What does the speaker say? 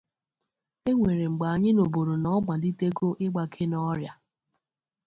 E nwere mgbe anyị nụburu na ọ malitego ịgbake n’ọrịa